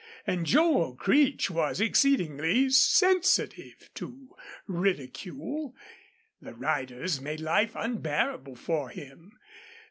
And Joel Creech was exceedingly sensitive to ridicule. The riders made life unbearable for him.